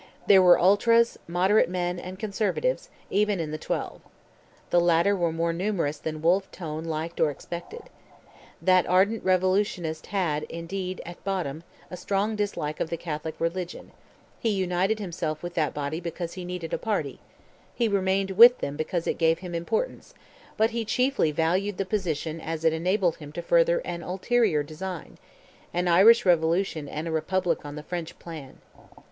There were ultras, moderate men, and conservatives, even in the twelve. The latter were more numerous than Wolfe Tone liked or expected. That ardent revolutionist had, indeed, at bottom, a strong dislike of the Catholic religion; he united himself with that body because he needed a party; he remained with them because it gave him importance; but he chiefly valued the position as it enabled him to further an ulterior design—an Irish revolution and a republic on the French plan.